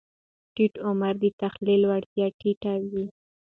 ټیټ عمر د تحلیل وړتیا ټیټه وي.